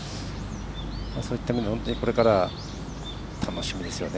そういった意味で本当にこれから楽しみですよね。